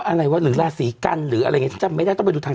อะไรวะหรือราศีกรรมหรืออะไรอย่างเงี้ยไม่ได้ต้องไปดูทาง